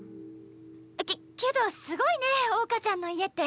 けけどすごいね桜花ちゃんの家って。